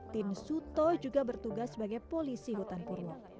tim suto juga bertugas sebagai polisi hutan purwo